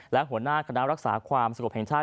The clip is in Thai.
และหัวหน้าคณะรักษาความสงบแห่งชาติ